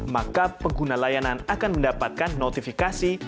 maka pengguna layanan akan mendapatkan notifikasi